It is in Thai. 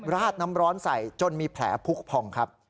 ราดน้ำร้อนใส่จนมีแผลพุกผ่องครับ